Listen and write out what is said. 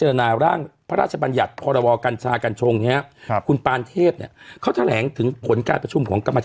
อืมอืมอืมอืมอืมอืมอืมอืมอืมอืม